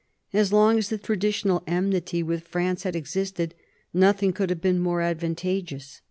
As long as the traditional enmity with France had existed, nothing could have been more advantageous.